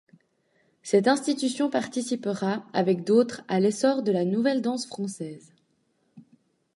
Cette institution participera, avec d'autres, à l'essor de la Nouvelle danse française.